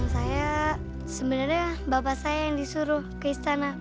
saya sebenarnya bapak saya yang disuruh ke istana